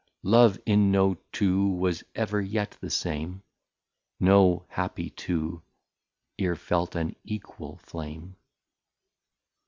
} Love in no Two was ever yet the same, No Happy Two ere felt an Equal Flame.